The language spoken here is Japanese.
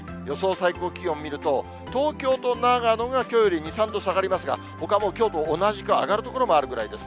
最高気温を見ると、東京都長野がきょうより２、３度下がりますが、ほかもきょうと同じか、上がる所があるぐらいです。